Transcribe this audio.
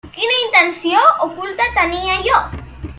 Quina intenció oculta tenia allò?